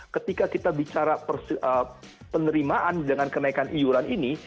ketika kita bicara penerimaan dengan kenaikan iuran ini